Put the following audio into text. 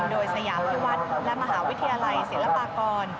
โดยสยามพิวัฒน์และมหาวิทยาลัยศิลปากร